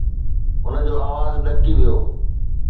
هن جو آواز ڏڪي ويو.